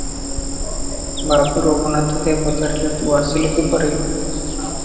ବାବୁ ରଘୁନାଥ ଦେ ପଚାରିଲେ ତୁ ଆସିଲୁ କିପରି?